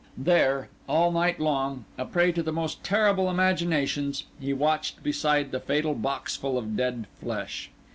There, all night long, a prey to the most terrible imaginations, he watched beside the fatal boxful of dead flesh.